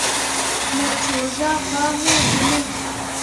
Mu coo zah fah hun gi me.